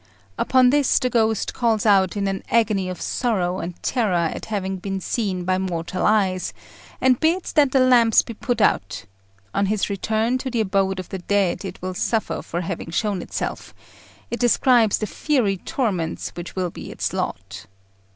Upon this the ghost calls out in an agony of sorrow and terror at having been seen by mortal eyes, and bids that the lamps be put out: on its return to the abode of the dead it will suffer for having shown itself: it describes the fiery torments which will be its lot.